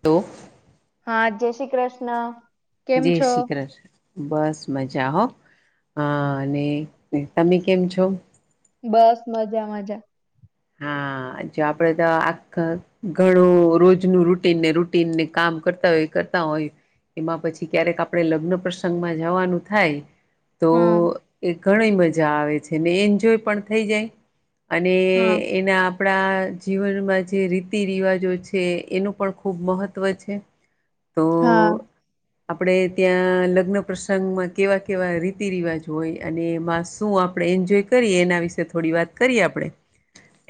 Hello. હા જય શ્રી કૃષ્ણ. કેમ છો? જેશી કૃષણ બસ મજા હો. હા અને તમે કેમ છો. બસ મજા મજા. હા જો આપડે તો આખ ઘણું રોજ ન રૂટીનને રૂટીનને કામ. કરતા હોય કરતા હોય એમાં પછી ક્યારેક આપણે લગ્ન પ્રસંગમા જવાનું થાય. તો હા એ ઘણી મજા આવે છે ને એન્જોય પણ થઈ જાય. અને. હા એના આપણા જીવનમા જે રીતિ રિવાજો છે એનુ પણ ખૂબ મહત્ત્વ છે. તો હા. આપણે ત્યાં લગ્ન પ્રસંગમાં કેવા કેવા રીતિ રિવાજ હોય અને એ મા શું આપણે. એન્જોય કરીએ એના વિશે થોડી વાત કરીએ આપણે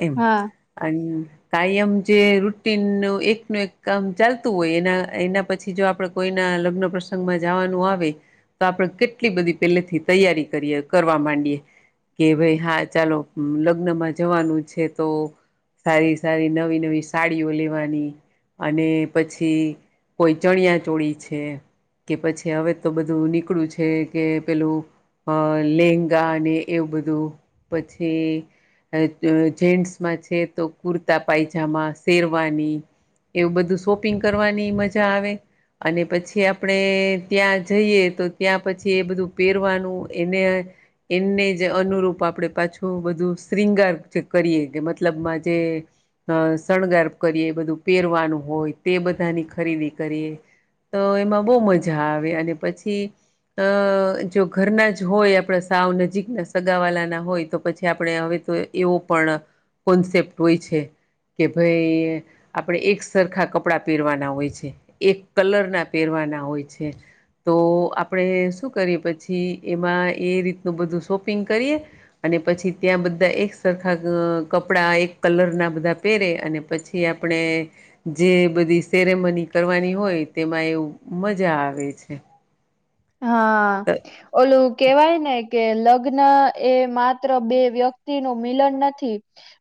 એમ હા અન, કાયમ જે રૂટીન ન એક ન એક કામ ચાલતું હોય એના એના પછી જો આપડે કોઈના. ના લગ્ન પ્રસંગ માં જાવાનું આવે. તો આપણે કેટલી બધી પેલેથી તૈયારી કરીએ કરવા માંડીયએ. કે ભાઈ હા ચાલો લગ્નમા જવાનુ છે તો. સારી સારી નવી નવી સાડીઓ લેવાની. અને પછી કોઈ ચણિયા ચોળી છે. કે પછી હવે તો બધુ નીકળુ છે કે પેલુ. અ લેંગા અને એવું બધું પછી. જેન્ટ્સમા છે તો કુર્તા પાયજામા શેરવાની. એવું બધું શોપિંગ કરવાની મજા આવે. અને પછી આપણે ત્યાં જઈએ તો ત્યાં પછી એ બધું પહેરવાનું એને. એને જે અનુરૂપ આપડે પાછુ બધુ. શ્રીંગાર જે કરીએ કે મતલબમા જે. અ શણગાર કરીએ બધું પહેરવાનું હોય તે બધાની ખરીદી કરીએ. તો એમાં બહુ મજા આવે અને પછી. અ જો ઘરના જ હોય આપણા સાવ નજીકના સગાવાલા ના હોય તો પછી આપણે હવે. તો એવો પણ કોન્સેપ્ટ હોય છે. કે ભઈ આપણેે એક સરખા કપડા પહેરવાના હોય છે એક કલર ના પહેર. વના હોય છે. તો આપણે શું કરીએ પછી એમાં એ રીતનું બધું શોપિંગ કરીએ અને. અને પછી ત્યા બધ. બધા એક સરખા કપડા એક કલરના બધા પહેરે અને પછી આપણે. જે બધી સેરેમની કરવાની હોય તેમાં એવું મજા આવે છે. હા ઓલુ કેવાય ને. કે લગ્ન એ માત્ર બે વ્યક્તિ નુ મિલન નથી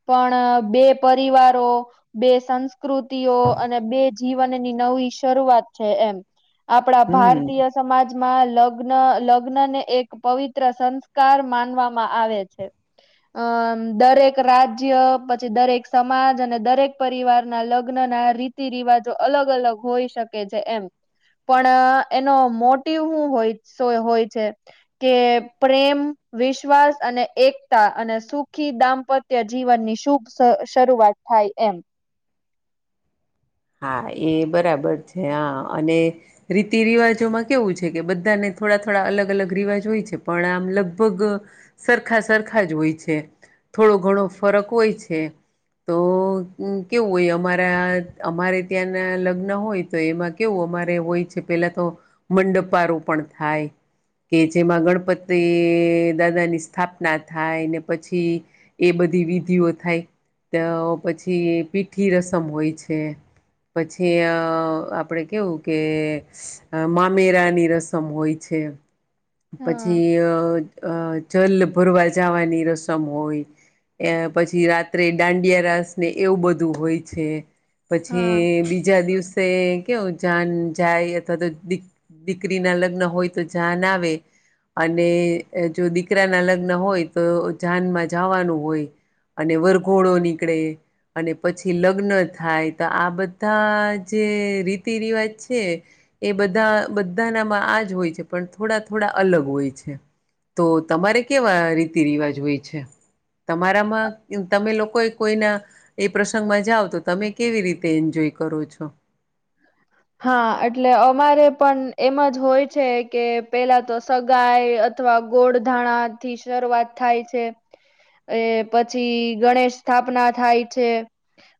પણ બે. બે પરિવારો બે સંસ્કૃતિઓ અને બે જીવનની નવી શરૂઆત છે. એમ આપણા હમ ભારતીય સમાજ. મા લગ્ન લગ્ન ને એક પવિત્ર સંસ્કાર માનવામા આવે છે. અમ દરેક રાજ્ય પછી દરેક સમાજ અને દરેક પરિવારના લગ્ન. રીતિ રિવાજો અલગ અલગ હોઈ શકે છે એમ પણ એનો મો. ટીવ હુ શું હોય છે કે પ્રેમ વિશ્વાસ અને એકતા. અને સુખી દાંપત્ય જીવનની શુભ શરૂઆત થાય એમ. હા એ બરાબર છે હા અને રીતિ રિવાજોમાં કેવું છે કે બધાને. થોડા થોડા અલગ અલગ રિવાજ હોય છે પણ આમ લગભગ સરખા સરખા જ હોય છે. થોડો ઘણો ફરક હોય છે તો કેવુ હોય અમારા. અમારે ત્યાના લગ્ન હોય તો એમાં કેવું અમારે હોય છે પેલા તો મંડપારોપણ. [unintelligible] થાય કે જેમાં ગણપતિ અ દાદા ની સ્થાપના થાય ને પછી એ બ ધી વિધિઓ થાય તો પછી પીઠી રસમ હોય છે. પછી આપડે કેવું કે મામેરા ની રસમ હોય છે. હા પછી [inaudible] જલ ભરવા જવાની રસમ હોય. એ પછી રાત્રે દાંડિયા રસ ને એવું બધું હોય છે. હા પછી બીજા દિવસે કેવ જાન જાય અથવા તો દી દીકરી ના લગ્ન હોય તો જાન આવે. અને જો દીકરા ના લગ્ન હોય તો જાનમાં જાવાનું હોય. અને વરઘોડો નીકળે અને પછી લગ્ન થાય. તો આ બધા જે રીતિ રિવાજ છે એ બધા બધાનામાં હોય છે પણ થોડા થોડા અલગ હોય છે. તો તમારે કેવા રીતિ રિવાજ હોય છે. તમારામાં તમે લોકો એ કોઈના એ પ્રસંગમાં જાઓ તો તમે કેવી રીતે એન્જોય કરો છો? હા એટલે અમારે પણ એમ જ હોય છે કે પેલા તો સગાઈ અથવા ગોળ ધાણા થી શરૂઆત થાય છે. એ પછી ગણેશ સ્થાપના થાય છે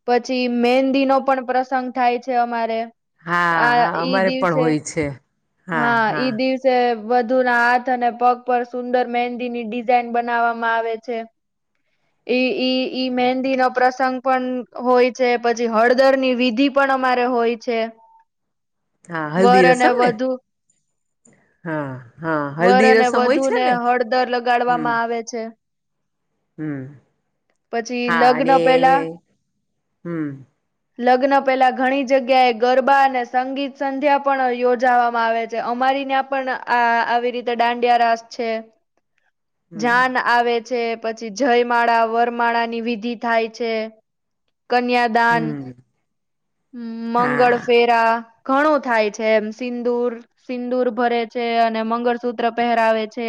પછી મેહંદી ન પણ પણ પ્રસંગ થાય છે અમારે હા આ હા ઈ અમારે પણ દિવસે હોય છે. હા ઈ દિવસે વધુ ના હાથ અને પગ પર સુંદર મહેંદીની ડિઝાઇન બનાવવામાં આવે છે. [unintelligible] મેહંદી ન [inaudible] સંગ પણ હોય છે પછી હળદરની વિધિ પણ અમારે હોય છે. હા વર હલ્દી અને રસમ ને વધુ હા હા [unintelligible] વર હલ્દી અને રસમ હોય વધુ છે ને હળદર લગાડવામાં આવે છે. હું પછી લગ્ન પેલા [unintelligible] [inaudible] લગ્ન પહેલા ઘણી જગ્યાએ ગરબા અને સંગીત સંધ્યા પણ યોજાવામાં આવે છે અમારા મારીને પણ આ આવી રીતે દાંડિયા રાસ છે. [inaudible] જાન આવે છે પછી જયમાળા વર માળાની વિધિ થાય છે કન્યાદાન હમ મંગળ હા ફેરા ઘણું થાય છે એમ સિંદુર સિંદુર ભરે છે અને મંગળસૂત્ર પહેરાવે છે.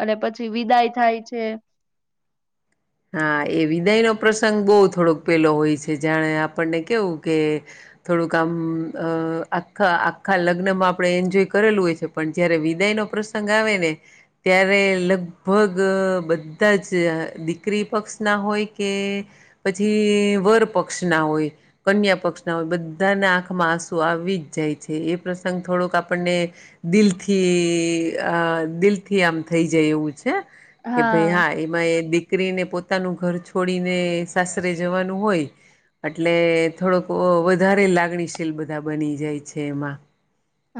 અને પછી વિદાય થાય છે. [inaudible] હા એ વિદાય નો પ્રસંગ બહુ થોડોક પેલો હોય છે જાણે આપણને કેવું કે થોડુંક આમ અ આખા આખા લગ્નમાં આપડણે એન્જોય કરેલું હોય છે પણ જયારે વિદાય [inaudible] પ્રસંગ આવે ને ત્યારે લગભગ બધા જ [inaudible] પક્ષ ના હોય કે પછી વર પક્ષ ના હોય કન્યા પક્ષ ના હોય બધાને આંખમાં આંસુ આવી જ જાય છે એ પ્રસંગ થોડોક આપણને દિલથી દિલ થી આમ થઈ જાય એવું છે કે ભાઈ હા એમાં દી દીકરીને પોતાનું ઘર છોડીને સાસરે જવાનું હોય એટલે થોડોક વધારે લાગણીશીલ બધા બની જાય છે એમાં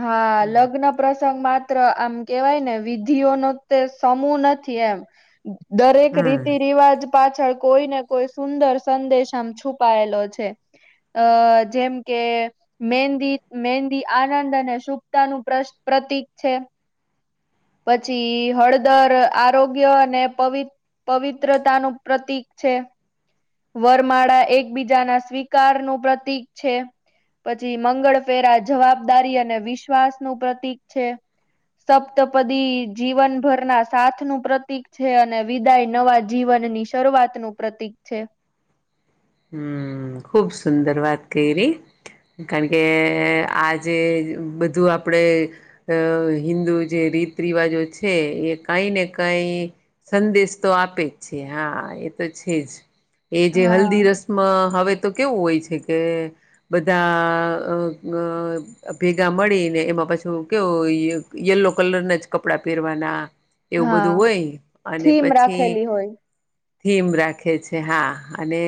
હા લગ્ન પ્રસંગમાં આમ કેવાય ને વિધિઓ નો તે સમૂહ નથી એમ દરેક હમ રીતિ રિવાજ પાછળ કોઈ ને કોઈ સુંદર સંદેશ આમ છુપાયેલો છે. અ જેમ કે મહેંદી મહેંદી [inaudible] આનંદ અને શુભ્તા નું પ્રતીક છે. પછી હળદર આરોગ્ય અને પવિ પવિત્રતાનું પ્રતીક છે. વરમાળા એકબીજાના સ્વીકાર નું પ્રતીક છે. પછી મંગળ ફેરા જવાબદારી અને વિશ્વાસનું પ્રતીક છે. સપ્તપદી જીવનભરના સાથ નું પ્રતીક છે અને વિદાય નવા જીવન ની શરૂઆતનું પ્રતીક છે. હમ્મ ખુબ સુંદર વાત કયરી કારણ કે આજે બધું આપડે અ હિન્દુ જે રીત રિવાજો છે, એ કઈ ને કઈ સંદેશ તો આપે જ છે હા એ તો છે જ એ જે હા હલ્દી રસ મ હવે તો કેવું હોય છે, કે બધા ભેગા મળીને એમાં પાછું કેવું યલો કલરના જ કપડા પહેરવાના. એવું હા બધું હોય અને થીમ પછી રાખેલી હોય થીમ રાખે છે, હા અને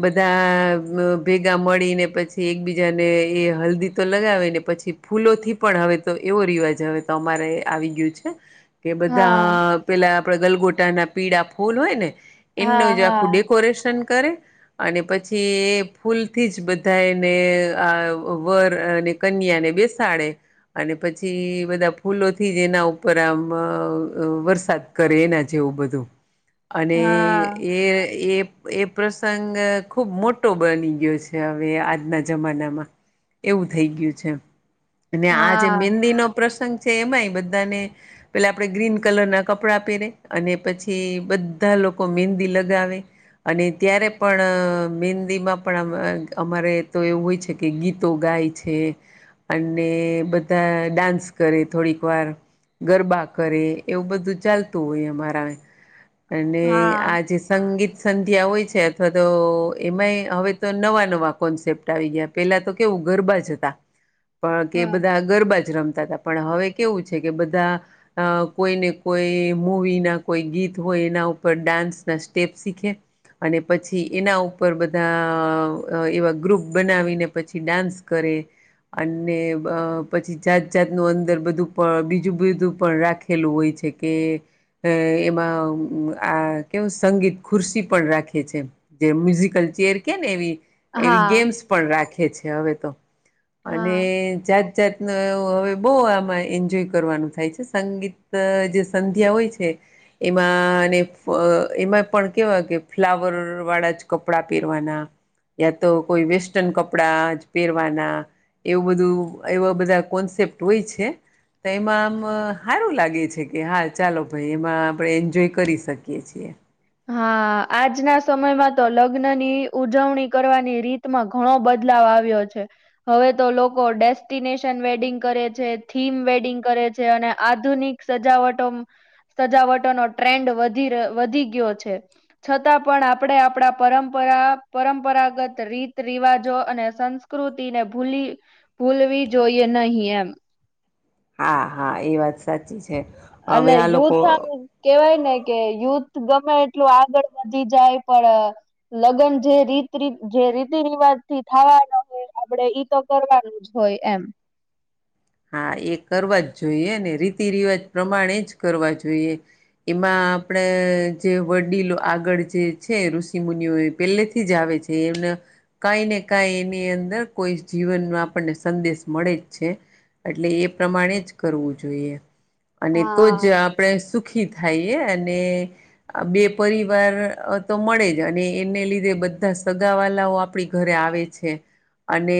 બધા ભેગા મળી ને પછી એકબીજાને એ હલ્દી તો લગાવે ને પછ પછી ફૂલો થી પણ હવે તો એવો રિવાજ હવે તો અમારે આવી ગ્યું છે. કે હા બધા પેલા આપડે ગલગોટા ના પીડા ફૂલ હોય ને એમનું હા જે આખું હા ડેકોરેશન કરે અને પછી ફૂલથી જ બધાય ને આ અ વર અને કન્યા ને બેસાડે અને પછી બધા ફૂલો થી જ એના ઉપર આમ અ વ વરસાદ કરે એના છે એવું બધું અને હા એ એ એ પ્રસંગ ખુબ મોટો બની ગ્યો છે, હવે આજના જમાનામાં એવું થઈ ગયું છે, અને આજે હા મેદી નો પ્રસંગ છે, એમાંય બધાને પેલા આપણેે ગ્રીન કલર ના કપડા પહેરે અને પછી બધા લોકો મેંદી લગાવે અને ત્યારે પણ મેેંદીમાં પણ અમાં અમારે તો એવું હોય છે, કે ગીતો ગાય છે. અને બધા ડાન્સ કરે થોડીક વાર ગરબા કરે એવું બધું ચાલતું હોય અમારા અને હા આ જે સંગીત સંધ્યા હોય છે અથવા તો એમાંય હવે તો નવા નવા કોન્સેપ્ટ આવી ગયા પેલા તો કેવું ગરબા જ હતા. પણ હા તે બધા ગરબાજ રમતા તા પણ હવે કેવું છે, કે બધા કોઈને કોઈ મુવી ના કોઈ ગીત હોય એના ઉપર ડાન્સ ના સ્ટેપ શીખે અને પછી એના ઉપર બધા એવા ગ્રુપ બનાવીને પછી ડાન્સ કરે. અને અ પછી જાત જાતનું અંદર બધું પણ બીજું બધું પણ રાખેલું હોય. છે કે એમાં આ કેવુ સંગીત ખુરશી પણ રાખી [unintelligible] જે મ્યુઝિકલ ચેર કે ને એવી એવી હા ગેમ્સ પણ રાખે છે હવે તો. અને હા જાત જાતનું એવ હવે બહુ આમાં એન્જોય કરવાનું થાય છે, સંગીત જે સંધ્યા હોય છે. એમાં અને એમાં પણ કેવા કે ફ્લાવર વાળા જ કપડાં પહેરવાના. યા તો કોઈ વેસ્ટર્ન કપડા જ પહેરવાના. એવું બધું એવા બધા કોન્સેપ્ટ હોય છે. તો એમાં આમ હારું લાગે છે, કે હા ચાલો ભાઈ એમાં આપણે એન્જોય કરી શકીએ છીએ. હા, આજના સમયમાં તો લગ્ન ની ઉજવણી કરવાની રીતમાં ઘણો બદલાવ આવ્યો છે, હવે તો લોકો ડેસ્ટિનેશન વેડિંગ કરે છે, થીમ વેડિંગ કરે છે. અને આધુનિક સજાવટો સજાવટો નો ટ્રેન્ડ વધી રહ વધી ગ્યો છે, છતાં પણ આપણે આપણા પરંપરા પરંપરાગત રીત રિવાજો અન ને સંસ્કૃતિ ને ભૂલી ભૂલવી જોઈએ નહી એમ. હા હા એ વાત સાચી છે. હવે એલા આ લોકો યુથ આમ કેવાય ને કે યુથ ગમે એટલું આગળ વધી જાય પણ લગન જે રીત રિ જે રીતિ રિવાજ થી થવા ના હોય આપણે ઈ તો કરવાનું જ હોય એમ હા એ કરવા જ જોઈએ ને રીતિ રિવાજ પ્રમાણે જ કરવા જોઈએ એમાં આપણેે જે વડીલો આગળ જે છે ઋષિ મુુનિઓ એ પેલે થી જ આવે એમ કઈ ને કઈ એની અંદર કોઈ જીવનમાં આપણને સંદેશ મળે જ છે એટલે એ પ્રમાણે જ કરવું જોઈએ અને તો હા જ આપણે સુખ સુખી થાય અને બે પરિવાર તો મળે જ અને એને લીધે બધા સગા વાલાઓ આપડી ઘરે આવે છે અને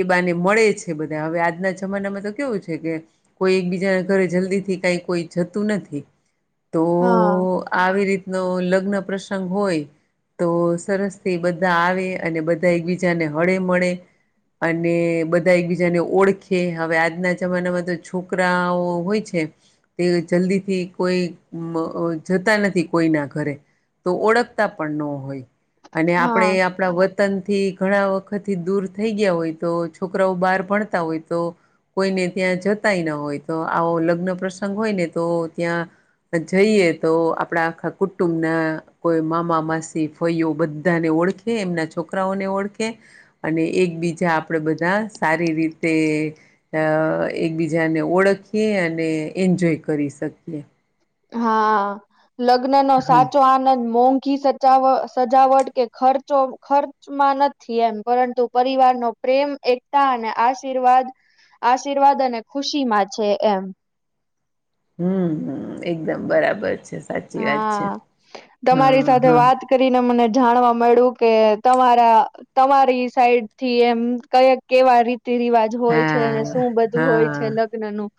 એ બાને મળે છે બધા હવે આજના જમાનામાં તો કેવું છે કે કોઈ એકબીજાના ઘરે જલ્દી થી કઈ કોઈ જતું નથી તો હા આવી રીતનો લગ્ન પ્રસંગ હોય તો સરસ થી બધા આવે અને બધા એકબીજાને હળે મળે અને બધા એકબીજાને ઓળખી કે હવે આજના જમાનામાં તો છોકરાઓ હોય છે તે જલ્દીથી કોઈ જતા નથી કોઈના ઘરે તો ઓળખતા પણ ન હોય અને હા આપડે આપણા વ વીતનથી ઘણા વખતથી દૂર થઈ ગયા હોય તો છોકરાઓ બહાર ભણતા હોય તો કોઈને ત્યાં જતાય ના હોય તો આવો લગ્ન પ્રસંગ હોય ને તો ત્યાં જઈએ તો આપડા આખા કુટુંબ ના કોઈ મામા માસી ફાઈઓ બધાને ઓળખે એમના છોકરાઓને ઓળખે અને એકબીજા આપણેે બધા સારી રીતે અ એકબીજાને ઓળખીએ અને એન્જોય કરી શકીએ હા લગ્ન નો હમ સાચો આનંદ મોઘ મોંઘી સજાવટ કે ખર્ચો ખર્ચમાં નથી એમ પરંતુ પરિવારનો પ્રેમ એકતા અને આશીર્વાદ આશીર્વાદ અને ખુશી માં છે એમ હમ હમ એકદમ બરાબર છે સાચી વાત હા છે તમારી હા સાથે હા વાત કરીને મને જાણવા મળ્યું કે તમારા તમારી સાઈડ થી એમ કયા કેવા રી રિતિ રિવાજ હોય છે અને હા શું બધું હોય છે હા લગ્ન નું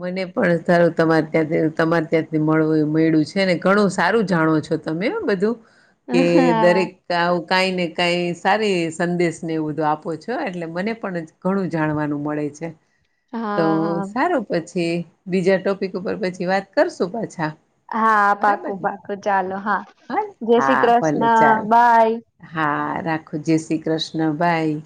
મને પણ સારું તમારે ત્યાંથી તમારે ત્યાંથી મળ મળ્યું છે ને ઘણું સારું જાણો છે છો તમે બધું કે હા દરેક કાઈ ને કાઈ સારી સંદેશ ને એવું બધું આપો છો એટલે મને પણ ઘણું જાણવાનું મળે છે તો હા હા સારું પછી બીજા ટોપિક ઉપર પછી વાત કરશું પાછા હા બરાબર પાકું ને પાકું ચાલો હા ને? જય શ્રી હા ભલે ચાલ કૃષ્ણ બાય હા રાખો જય શ્રી કૃષ્ણ બાય